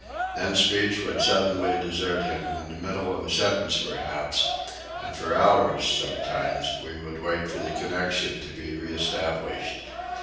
Then speech would suddenly desert him, in the middle of a sentence perhaps, and for hours, sometimes, we would wait for the connection to be re established.